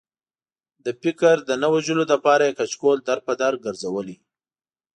د فکر د نه وژلو لپاره یې کچکول در په در ګرځولی.